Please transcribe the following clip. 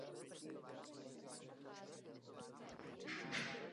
Je pěstována jako okrasná dřevina.